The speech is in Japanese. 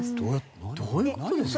どういう事ですか？